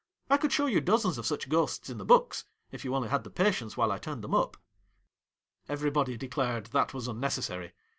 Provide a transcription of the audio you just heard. I could show you dozens of such ghosts in the books, if you only had patience while I turned them up.' Everybody declared that was unnecessary.